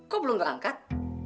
kok belum berangkat